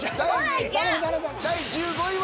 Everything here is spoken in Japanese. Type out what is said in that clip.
第１５位は。